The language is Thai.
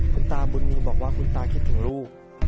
คุณตาบุญมีบอกว่าคุณตาคิดถึงลูก